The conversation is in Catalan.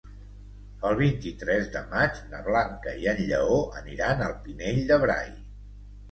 El vint-i-tres de maig na Blanca i en Lleó aniran al Pinell de Brai.